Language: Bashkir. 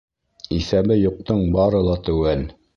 Иҫәбе юҡтың бары ла теүәл.